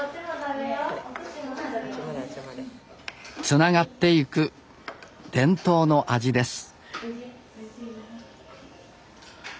つながっていく伝統の味です。